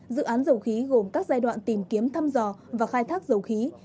dự án dầu khí gồm các giai đoạn tìm kiếm thăm dò và khai thác dầu khí